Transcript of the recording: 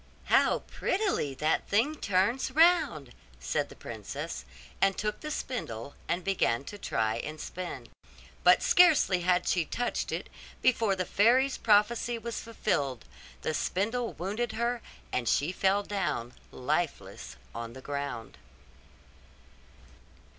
'How prettily that little thing turns round!' said the princess, and took the spindle and began to try and spin. But scarcely had she touched it, before the fairy's prophecy was fulfilled; the spindle wounded her, and she fell down lifeless on the ground.